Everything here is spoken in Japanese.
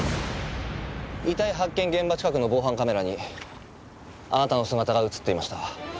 遺体発見現場近くの防犯カメラにあなたの姿が映っていました。